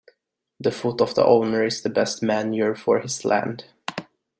The foot of the owner is the best manure for his land.